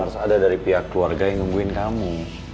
harus ada dari pihak keluarga yang nungguin kamu